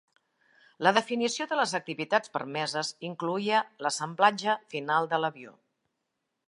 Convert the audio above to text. La definició de les activitats permeses incloïa l'assemblatge final de l'avió.